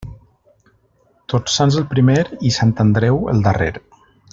Tots Sants el primer i Sant Andreu el darrer.